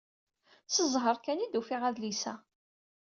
S zzheṛ kan ay d-ufiɣ adlis-a.